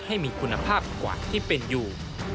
ให้มีคุณภาพกว่าที่เป็นอยู่